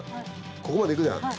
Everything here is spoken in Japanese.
ここまで行くじゃん。